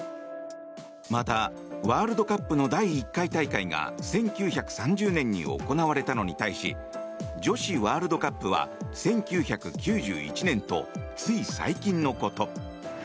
また、ワールドカップの第１回大会が１９３０年に行われたのに対し女子ワールドカップは１９９１年とつい最近のこと。